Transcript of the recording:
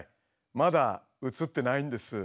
まだ映ってないんです。